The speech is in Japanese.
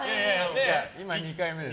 今、２回目です。